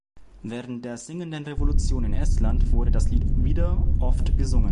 Während der „Singenden Revolution“ in Estland wurde das Lied wieder oft gesungen.